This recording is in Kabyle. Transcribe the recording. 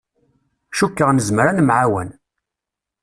Cukkeɣ nezmer ad nemεawan.